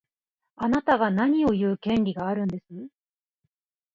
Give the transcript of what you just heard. あなたが何を言う権利があるんです。